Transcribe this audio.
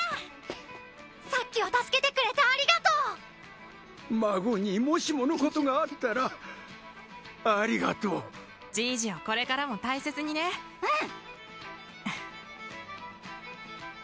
さっきは助けてくれてありがとう孫にもしものことがあったらありがとうじいじをこれからも大切にねうん！